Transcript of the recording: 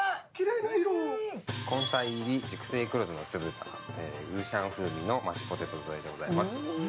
根菜入り熟成黒酢の酢豚五香風味のマッシュポテト添えでございます。